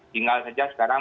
tinggal saja sekarang